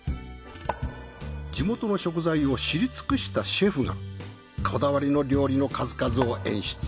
地元の食材を知り尽くしたシェフがこだわりの料理の数々を演出。